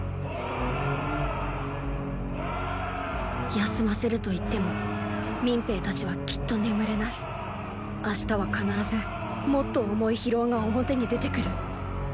休ませると言っても民兵たちはきっと眠れない明日は必ずもっと重い疲労が表に出てくる。